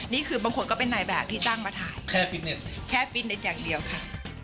นี่คือบางคนก็เป็นนายแบบที่จ้างมาถ่ายแค่ฟิตเนสอย่างเดียวค่ะ